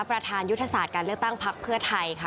ประธานยุทธศาสตร์การเลือกตั้งพักเพื่อไทยค่ะ